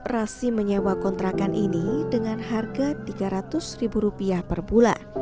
rasi menyewa kontrakan ini dengan harga tiga ratus ribu rupiah per bulan